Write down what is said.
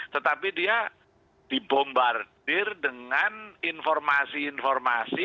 tetapi dia dibombardir dengan informasi informasi